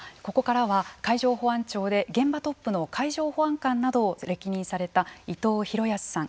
ここからは海上保安庁で現場トップの海上保安監などを歴任された伊藤裕康さん。